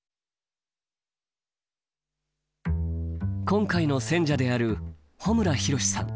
今回の選者である穂村弘さん。